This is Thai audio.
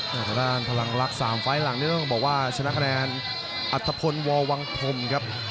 ทางด้านพลังลักษณ์๓ไฟล์หลังนี้ต้องบอกว่าชนะคะแนนอัตภพลววังพรมครับ